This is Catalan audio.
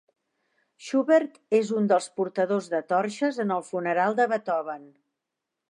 Schubert és un dels portadors de torxes en el funeral de Beethoven.